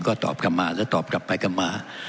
ก็ตอบกลับมาแล้วตอบกลับไปกลับมา